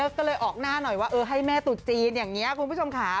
ก็เลยออกหน้าหน่อยว่าเออให้แม่ตุ๊จีนอย่างนี้คุณผู้ชมค่ะ